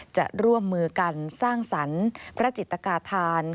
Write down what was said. จะร่วมมือกันสร้างสรรค์พระจิตกาธาน